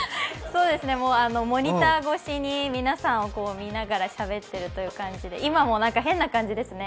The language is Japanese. そうですね、モニター越しに皆さんを見ながらしゃべっているという感じで今も変な感じですね。